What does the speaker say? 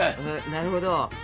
なるほど。